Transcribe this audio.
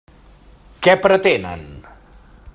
Què pretenen?